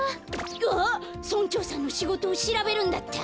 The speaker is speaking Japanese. あっ村長さんのしごとをしらべるんだった！